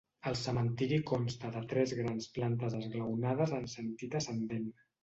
El cementiri consta de tres grans plantes esglaonades en sentit ascendent.